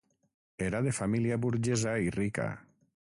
Era de família burgesa i rica.